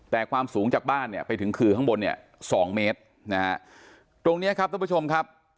แต่ความสูงจากบ้านเนี่ยไปถึงคือข้างบนเนี่ยสองเมตรนะฮะตรงเนี้ยครับท่านผู้ชมครับ